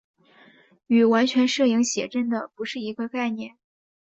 与完全摄影写真的不是一个概念。